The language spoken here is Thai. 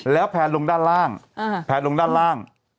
แล้วแผนลงด้านล่าง